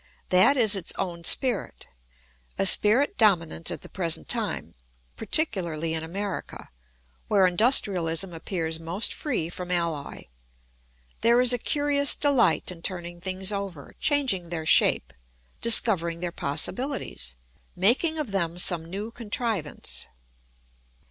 That is its own spirit: a spirit dominant at the present time, particularly in America, where industrialism appears most free from alloy. There is a curious delight in turning things over, changing their shape, discovering their possibilities, making of them some new contrivance.